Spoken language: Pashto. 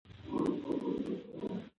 بریالی انسان د ستونزو سره مقابله زده کوي.